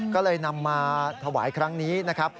ก็เลยนำมาถวายครั้งนี้นะครับ